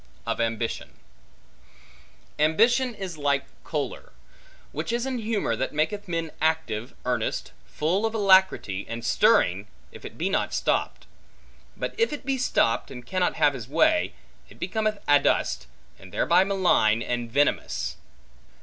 Of Ambition AMBITION is like choler; which is an humor that maketh men active, earnest, full of alacrity, and stirring, if it be not stopped. But if it be stopped, and cannot have his way, it becometh adust, and thereby malign and venomous.